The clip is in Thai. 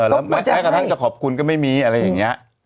แล้วแม้กระทั่งจะขอบคุณก็ไม่มีอะไรอย่างนี้